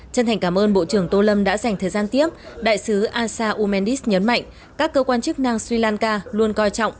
chân thành cảm ơn bộ trưởng tô lâm đã dành thời gian tiếp đại sứ asa umendis nhấn mạnh các cơ quan chức năng sri lanka luôn coi trọng